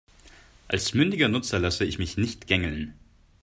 Als mündiger Nutzer lasse ich mich nicht gängeln.